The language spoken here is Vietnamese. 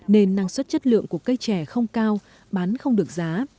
nên năng suất chất lượng của cây trẻ không cao bán không được giá